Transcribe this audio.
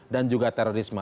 dan juga terorisme